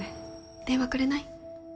電話くれない？